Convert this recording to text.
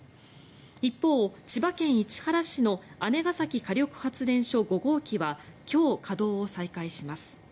一方、千葉県市原市の姉崎火力発電所５号機は今日、稼働を再開します。